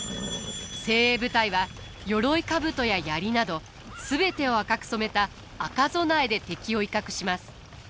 精鋭部隊は鎧兜や槍など全てを赤く染めた赤備えで敵を威嚇します。